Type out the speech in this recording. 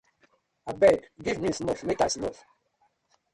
Abeg giv me snuff mek I snuff.